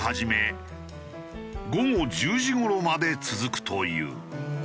午後１０時頃まで続くという。